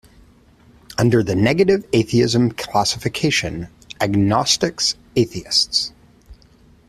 Under the negative atheism classification, agnostics atheists.